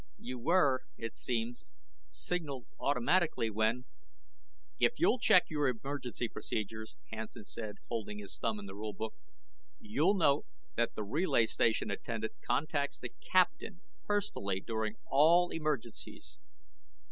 You were, it seems, signaled automatically when " "If you'll check your emergency procedures," Hansen said, holding his thumb in the Rule Book, "you'll note that the Relay Station Attendant contacts the Captain personally during all emergencies.